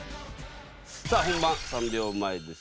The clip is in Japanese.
さあ本番３秒前です。